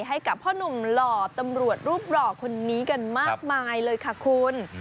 ให้กับพ่อนุ่มหล่อตำรวจรูปหล่อคนนี้กันมากมายเลยค่ะคุณ